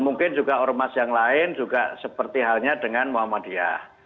mungkin juga ormas yang lain juga seperti halnya dengan muhammadiyah